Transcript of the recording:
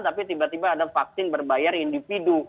tapi tiba tiba ada vaksin berbayar individu